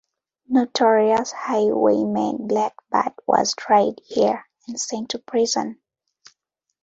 Notorious highwayman Black Bart was tried here and sent to prison.